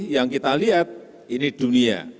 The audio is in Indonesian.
yang kita lihat ini dunia